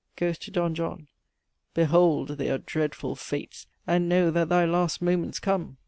"GHOST To D. JOHN. Behold their dreadful fates, and know that thy last moment's come!